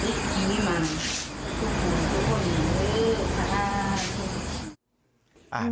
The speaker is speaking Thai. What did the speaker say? ทุกคนทุกคนเริ่มเลยค่ะ